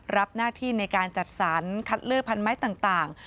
รับหน้าที่ในการจัดสรรคัดเลือกพันไม้ต่าง